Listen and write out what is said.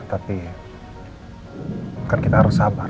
tapi kan kita harus sabar